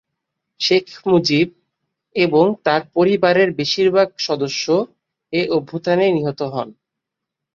শেখ মুজিব এবং তার পরিবারের বেশিরভাগ সদস্য এ অভ্যুত্থানে নিহত হন।